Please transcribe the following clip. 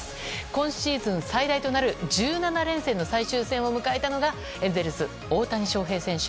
今シーズン最大となる１７連戦の最終戦を迎えたのがエンゼルス、大谷翔平選手。